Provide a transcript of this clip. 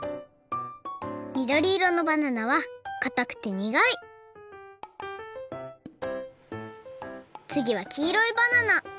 みどりいろのバナナはかたくてにがいつぎは黄色いバナナ